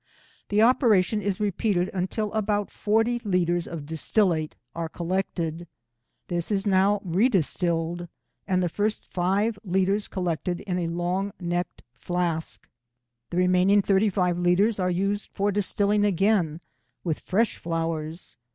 The operation is repeated until about forty litres of distillate are collected. This is now redistilled, and the first five litres collected in a long necked flask. The remaining thirty five litres are used for distilling again with fresh flowers.